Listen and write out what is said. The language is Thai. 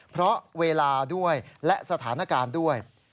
เพราะเวลาด้วยและสถานการณ์ด้วย